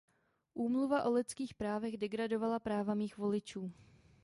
Úmluva o lidských právech degradovala práva mých voličů.